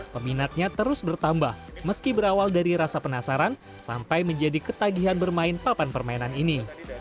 peminatnya terus bertambah meski berawal dari rasa penasaran sampai menjadi ketagihan bermain papan permainan ini